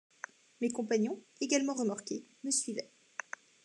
Mes compagnons, également remorqués, me suivaient.